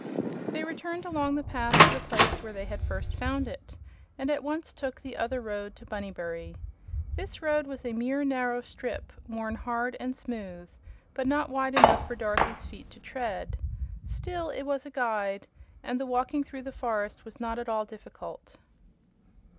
They returned along the path to the place where they had first found it, and at once took "the other road" to Bunnybury. This road was a mere narrow strip, worn hard and smooth but not wide enough for Dorothy's feet to tread. Still, it was a guide, and the walking through the forest was not at all difficult.